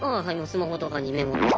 スマホとかにメモとか。